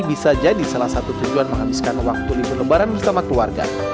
bisa jadi salah satu tujuan menghabiskan waktu libur lebaran bersama keluarga